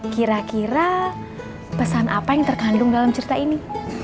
kira kira pesan apa yang terkandung dalam cerita ini